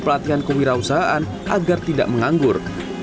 pelatihan kewirausahaan agar tidak menganggur